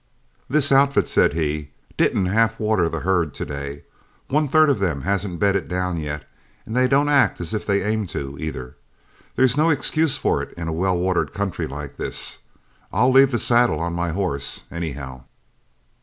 "This outfit," said he, "didn't half water the herd to day. One third of them hasn't bedded down yet, and they don't act as if they aim to, either. There's no excuse for it in a well watered country like this. I'll leave the saddle on my horse, anyhow."